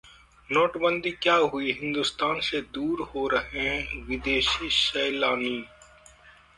नोटबंदी क्या हुई, हिंदुस्तान से दूर हो रहे हैं विदेशी सैलानी